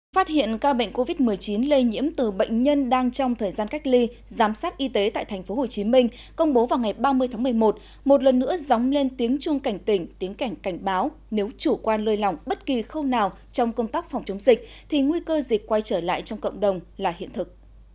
phát hiện ca bệnh covid một mươi chín lây nhiễm từ bệnh nhân đang trong thời gian cách ly giám sát y tế tại tp hcm công bố vào ngày ba mươi tháng một mươi một một lần nữa dóng lên tiếng chuông cảnh tỉnh tiếng cảnh cảnh báo nếu chủ quan lơi lỏng bất kỳ khâu nào trong công tác phòng chống dịch thì nguy cơ dịch quay trở lại trong cộng đồng là hiện thực